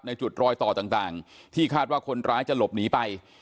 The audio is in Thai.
จุดรอยต่อต่างที่คาดว่าคนร้ายจะหลบหนีไป